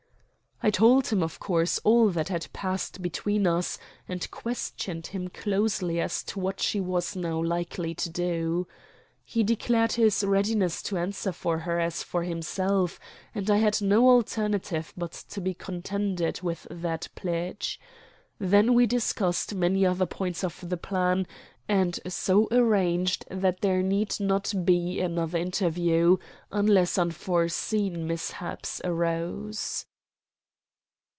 I told him, of course, all that had passed between us, and questioned him closely as to what she was now likely to do. He declared his readiness to answer for her as for himself; and I had no alternative but to be contented with that pledge. Then we discussed many other points of the plan, and so arranged that there need not be another interview, unless unforeseen mishaps arose.